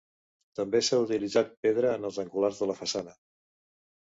També s'ha utilitzat pedra en els angulars de la façana.